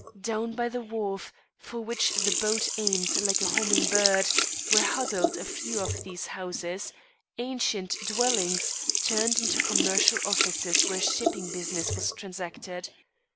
Down by the wharf for which the boat aimed like a homing bird, were huddled a few of these houses, ancient dwellings turned into commercial offices where shipping business was transacted.